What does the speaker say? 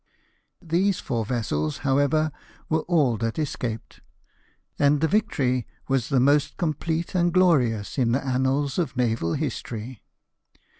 These four vessels, however, were all that escaped ; and the victory was the most complete and glorious in the annals of naval history.